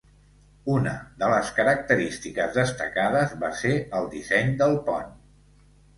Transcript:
Una de les característiques destacades va ser el disseny del pont.